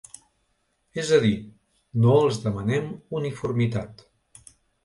És a dir, no els demanem uniformitat.